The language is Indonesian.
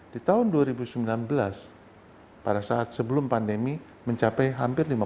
di tahun dua ribu sembilan belas pada saat sebelum pandemi mencapai hampir lima puluh